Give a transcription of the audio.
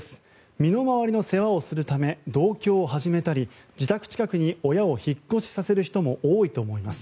身の回りの世話をするため同居を始めたり自宅近くに親を引っ越しさせる人も多いと思います。